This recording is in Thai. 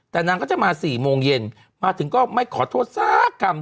แต่นางก็จะมา๔โมงเย็นมาถึงก็ไม่ขอโทษสักคำ